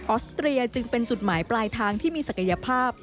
อสเตรียจึงเป็นจุดหมายปลายทางที่มีศักยภาพ